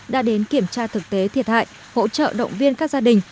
đã đến kiểm tra thực tế thiệt hại hỗ trợ động viên các gia đình